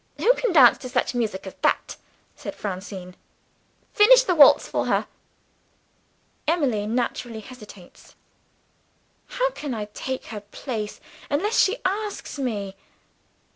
"Who can dance to such music as that?" says Francine. "Finish the waltz for her." Emily naturally hesitates. "How can I take her place, unless she asks me?"